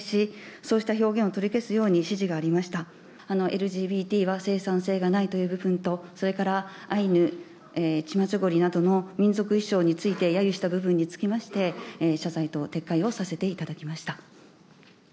ＬＧＢＴは生産性がないという部分とそれからアイヌチマチョゴリなどの民族衣装について揶揄した部分につきまして謝罪と撤回をさせていただきました。